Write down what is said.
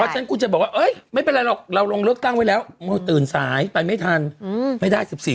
ฉันคุณจะบอกว่าไม่เป็นไรหรอกเราลงเลือกตั้งไว้แล้วตื่นสายไปไม่ทันไม่ได้๑๔